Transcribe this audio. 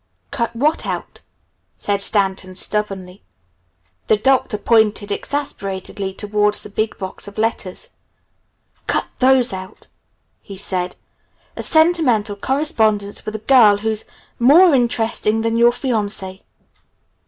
"Cut what out?" said Stanton stubbornly. The Doctor pointed exasperatedly towards the big box of letters. "Cut those out," he said. "A sentimental correspondence with a girl who's more interesting than your fiancée!"